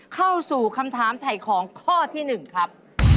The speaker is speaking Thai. เข้าสู่คำถามถ่ายของข้อที่๑ครับ